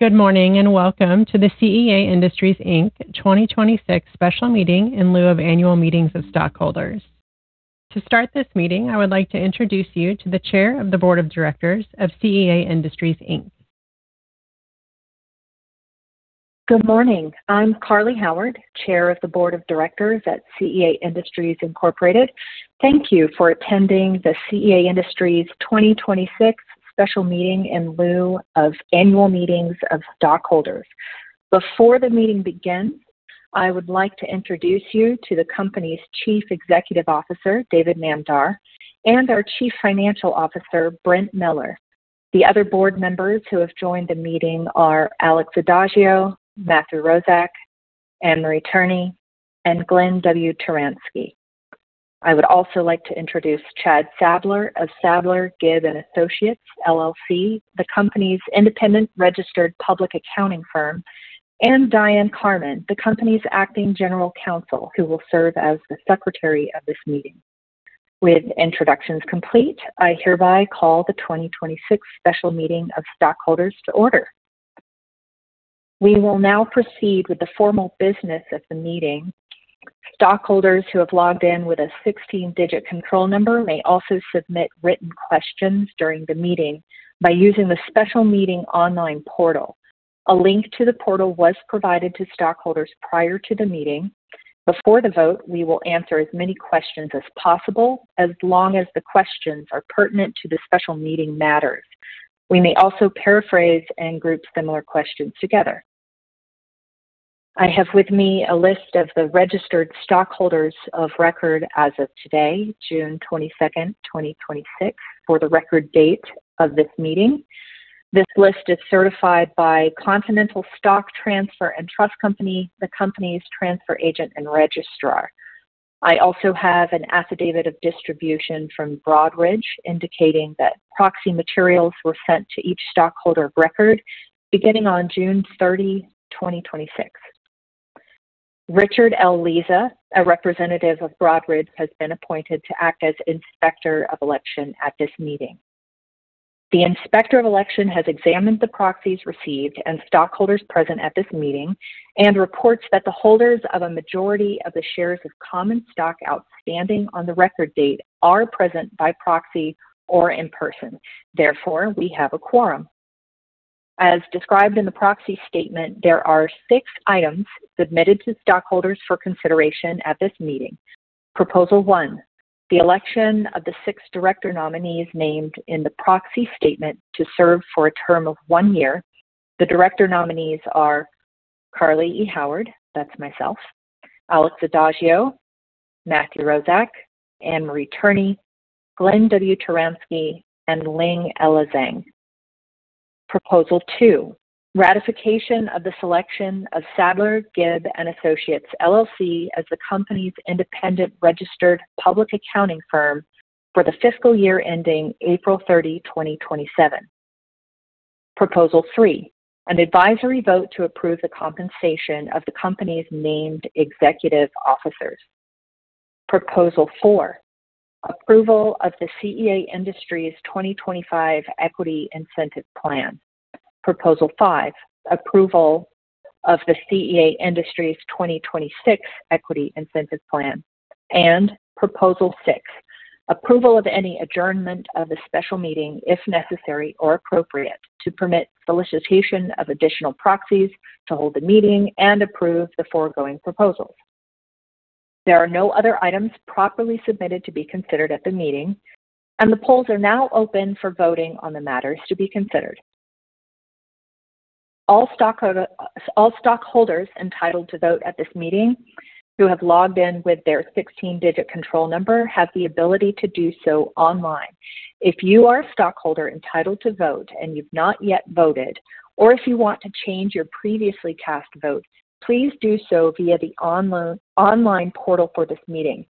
Good morning, welcome to the CEA Industries Inc. 2026 Special Meeting in Lieu of Annual Meetings of Stockholders. To start this meeting, I would like to introduce you to the Chair of the Board of Directors of CEA Industries Inc. Good morning. I'm Carly Howard, Chair of the Board of Directors at CEA Industries Incorporated. Thank you for attending the CEA Industries 2026 Special Meeting in Lieu of Annual Meetings of Stockholders. Before the meeting begins, I would like to introduce you to the company's David Namdar, and our Chief Financial Officer, Brent Miller. The other board members who have joined the meeting are Alex Odagiu, Matthew Roszak, Anne Tierney, and Glenn W. Tyranski. I would also like to introduce Chad Sadler of Sadler, Gibb & Associates, LLC, the company's independent registered public accounting firm, and Diane Carman, the company's Acting General Counsel, who will serve as the Secretary of this meeting. With introductions complete, I hereby call the 2026 Special Meeting of Stockholders to order. We will now proceed with the formal business of the meeting. Stockholders who have logged in with a 16-digit control number may also submit written questions during the meeting by using the special meeting online portal. A link to the portal was provided to stockholders prior to the meeting. Before the vote, we will answer as many questions as possible, as long as the questions are pertinent to the special meeting matters. We may also paraphrase and group similar questions together. I have with me a list of the registered stockholders of record as of today, June 22nd, 2026, for the record date of this meeting. This list is certified by Continental Stock Transfer & Trust Company, the company's transfer agent and registrar. I also have an affidavit of distribution from Broadridge indicating that proxy materials were sent to each stockholder of record beginning on June 30, 2026. Richard L. Liza, a representative of Broadridge, has been appointed to act as Inspector of Election at this meeting. The Inspector of Election has examined the proxies received and stockholders present at this meeting and reports that the holders of a majority of the shares of common stock outstanding on the record date are present by proxy or in person. Therefore, we have a quorum. As described in the proxy statement, there are six items submitted to stockholders for consideration at this meeting. Proposal one, the election of the six director nominees named in the proxy statement to serve for a term of one year. The director nominees are Carly E. Howard, that's myself, Alex Odagiu, Matthew Roszak, Anne Tierney, Glenn W. Tyranski, and Ling “Ella” Zhang. Proposal two, ratification of the selection of Sadler, Gibb & Associates, LLC as the company's independent registered public accounting firm for the fiscal year ending April 30, 2027. Proposal three, an advisory vote to approve the compensation of the company's named executive officers. Proposal four, approval of the CEA Industries' 2025 Equity Incentive Plan. Proposal five, approval of the CEA Industries' 2026 Equity Incentive Plan. Proposal six, approval of any adjournment of a special meeting, if necessary or appropriate, to permit solicitation of additional proxies to hold the meeting and approve the foregoing proposals. There are no other items properly submitted to be considered at the meeting, and the polls are now open for voting on the matters to be considered. All stockholders entitled to vote at this meeting who have logged in with their 16-digit control number have the ability to do so online. If you are a stockholder entitled to vote and you've not yet voted, or if you want to change your previously cast vote, please do so via the online portal for this meeting.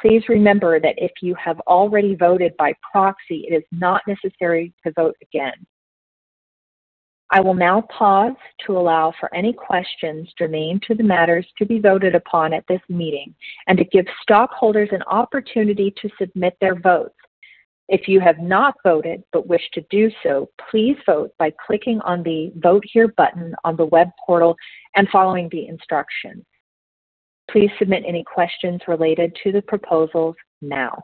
Please remember that if you have already voted by proxy, it is not necessary to vote again. I will now pause to allow for any questions germane to the matters to be voted upon at this meeting and to give stockholders an opportunity to submit their votes. If you have not voted but wish to do so, please vote by clicking on the vote here button on the web portal and following the instructions. Please submit any questions related to the proposals now.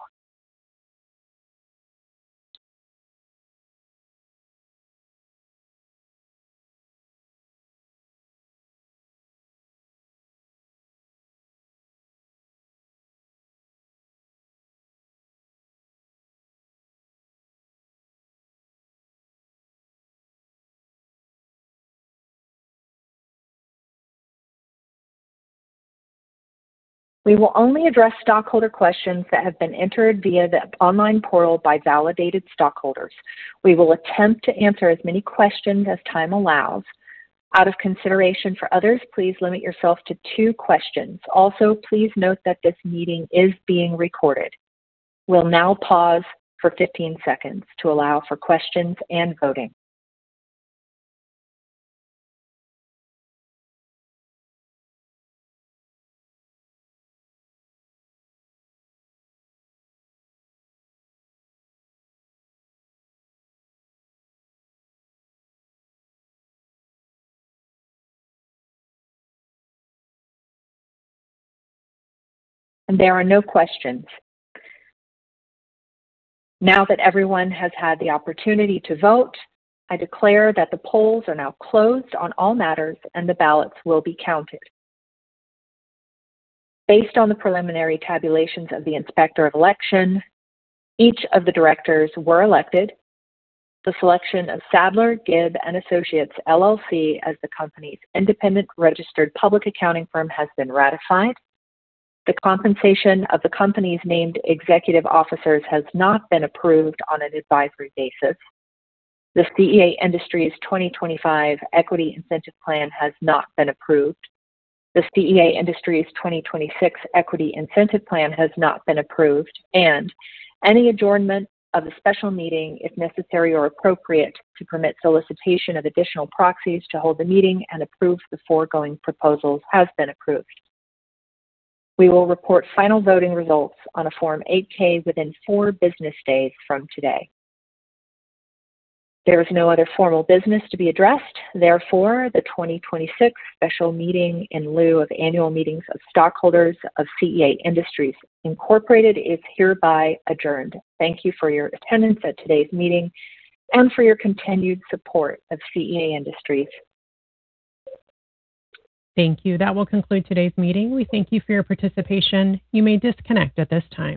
We will only address stockholder questions that have been entered via the online portal by validated stockholders. We will attempt to answer as many questions as time allows. Out of consideration for others, please limit yourself to two questions. Also, please note that this meeting is being recorded. We'll now pause for 15 seconds to allow for questions and voting. There are no questions. Now that everyone has had the opportunity to vote, I declare that the polls are now closed on all matters, and the ballots will be counted. Based on the preliminary tabulations of the inspector of election, each of the directors were elected. The selection of Sadler, Gibb & Associates, LLC as the company's independent registered public accounting firm has been ratified. The compensation of the company's named executive officers has not been approved on an advisory basis. The CEA Industries' 2025 Equity Incentive Plan has not been approved. The CEA Industries' 2026 Equity Incentive Plan has not been approved, and any adjournment of a special meeting, if necessary or appropriate, to permit solicitation of additional proxies to hold the meeting and approve the foregoing proposals has been approved. We will report final voting results on a Form 8-K within four business days from today. There is no other formal business to be addressed. Therefore, the 2026 Special Meeting in Lieu of Annual Meetings of Stockholders of CEA Industries Incorporated is hereby adjourned. Thank you for your attendance at today's meeting and for your continued support of CEA Industries. Thank you. That will conclude today's meeting. We thank you for your participation. You may disconnect at this time